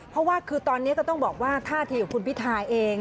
เพราะว่าคือตอนนี้ก็ต้องบอกว่าท่าทีของคุณพิทาเอง